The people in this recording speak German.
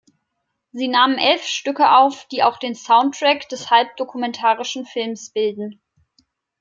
Sie nahmen elf Stücke auf, die auch den Soundtrack des halbdokumentarischen Films bilden.